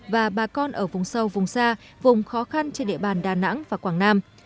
và bà con ở vùng sâu vùng xa vùng khó khăn trên địa bàn đà nẵng và quảng nam